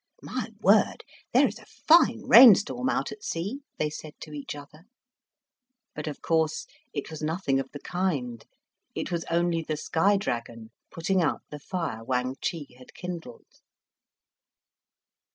"My word! There is a fine rain storm out at sea!" they said to each other. But, of course, it was nothing of the kind; it was only the sky dragon putting out the fire Wang Chih had kindled.